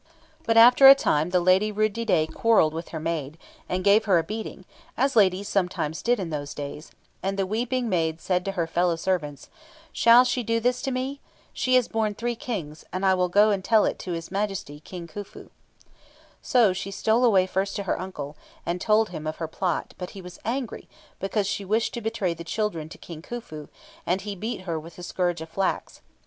But after a time the lady Rud didet quarrelled with her maid, and gave her a beating, as ladies sometimes did in those days; and the weeping maid said to her fellow servants, "Shall she do this to me? She has borne three Kings, and I will go and tell it to his Majesty, King Khufu." So she stole away first to her uncle, and told him of her plot; but he was angry because she wished to betray the children to King Khufu, and he beat her with a scourge of flax.